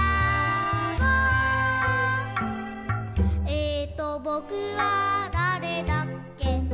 「ええとぼくはだれだっけ」